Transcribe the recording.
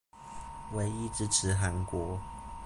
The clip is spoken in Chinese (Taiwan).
唯一支持韓國